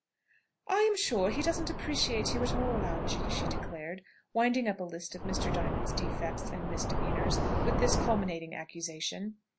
"I'm sure he doesn't appreciate you at all, Algy," she declared, winding up a list of Mr. Diamond's defects and misdemeanours with this culminating accusation.